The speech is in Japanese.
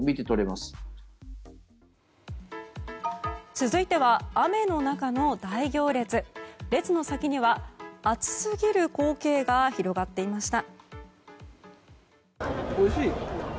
続いては、雨の中の大行列列の先には、熱すぎる光景が広がっていました。